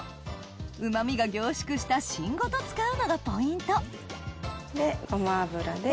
うまみが凝縮した芯ごと使うのがポイントでごま油で。